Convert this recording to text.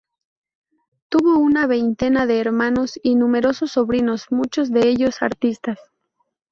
Tuvo una veintena de hermanos y numerosos sobrinos, muchos de ellos artistas.